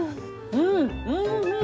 うんおいしい！